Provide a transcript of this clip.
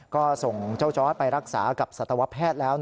ก็ส่งเจ้าจอร์ดไปรักษากับสัตวแพทย์แล้ว